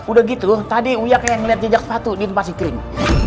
udah gitu tadi uya kayak ngeliat jejak sepatu di tempat si kering